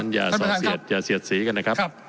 ให้ชั้นอย่าเสียสีกันนะครับ